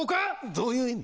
どういう意味？